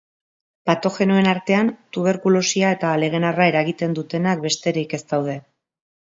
Patogenoen artean tuberkulosia eta legenarra eragiten dutenak besterik ez daude.